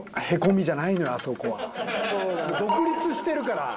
独立してるから。